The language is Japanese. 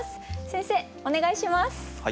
先生お願いします。